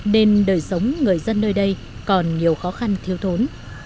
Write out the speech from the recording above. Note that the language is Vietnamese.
nên đời sống người dân nơi đây còn nhiều khó khăn thiếu thốn